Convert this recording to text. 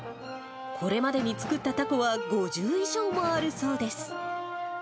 これまでに作ったたこは５０以上もあるそうです。